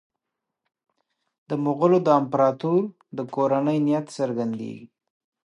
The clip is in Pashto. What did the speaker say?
د مغولو د امپراطور د کورنۍ نیت څرګندېږي.